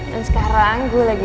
dan sekarang gue lagi